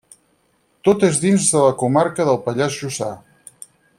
Tot és dins de la comarca del Pallars Jussà.